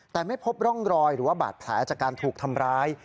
แต่ไม่พบร่องรอยหรือว่าบาดแผลจากการถูกทำร้าย